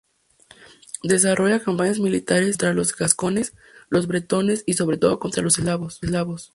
Desarrolla campañas militares contra los gascones, los bretones y sobre todo contra los eslavos.